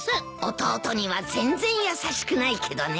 弟には全然優しくないけどね。